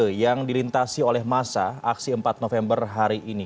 itu yang dilintasi oleh masa aksi empat november hari ini